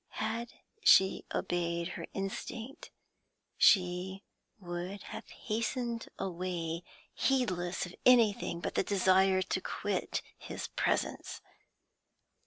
Had she obeyed her instinct, she would have hastened away, heedless of anything but the desire to quit his presence.